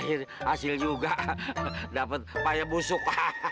akhirnya hasil juga dapat payah busuk